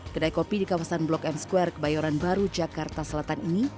kedai kopi di kawasan blok m square kebayoran baru jakarta selatan ini